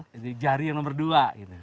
jadi jari yang nomor dua